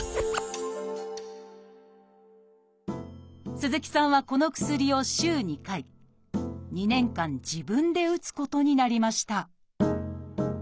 鈴木さんはこの薬を週２回２年間自分で打つことになりました